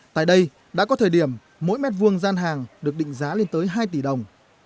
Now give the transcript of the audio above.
tại đây đã có thời điểm mỗi mét vuông gian hàng được định giá lên tới hai tỷ đồng